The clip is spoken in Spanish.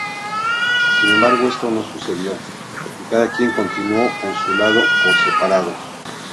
Sin embargo este no sucedió, y cada quien continuó por su lado por separado.